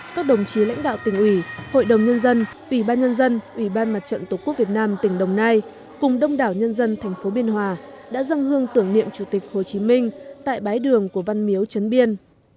các đồng chí lãnh đạo tỉnh ủy hội đồng nhân dân ủy ban nhân dân ủy ban mặt trận tổ quốc việt nam tỉnh đồng nai cùng đông đảo nhân dân thành phố biên hòa đã dâng hương tưởng niệm chủ tịch hồ chí minh tại bái đường của văn miếu trấn biên